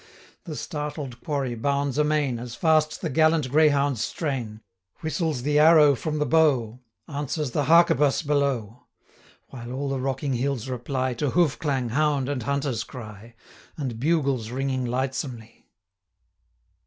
The startled quarry bounds amain, 45 As fast the gallant greyhounds strain; Whistles the arrow from the bow, Answers the harquebuss below; While all the rocking hills reply, To hoof clang, hound, and hunters' cry, 50 And bugles ringing lightsomely.'